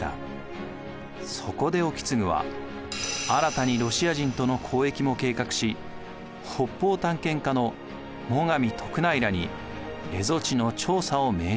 そこで意次は新たにロシア人との交易も計画し北方探検家の最上徳内らに蝦夷地の調査を命じました。